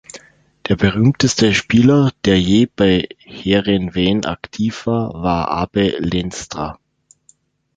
Der berühmteste Spieler, der je bei Heerenveen aktiv war, war Abe Lenstra.